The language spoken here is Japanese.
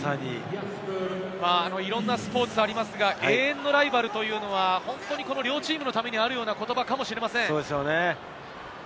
いろいろなスポーツがありますが、永遠のライバルというのは、本当に両チームのためにあるような言葉かもしれません。